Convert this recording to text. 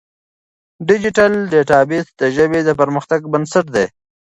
ډیجیټل ډیټابیس د ژبې د پرمختګ بنسټ دی.